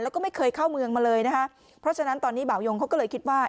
แล้วก็ไม่เคยเข้าเมืองมาเลยนะคะเพราะฉะนั้นตอนนี้บ่าวยงเขาก็เลยคิดว่า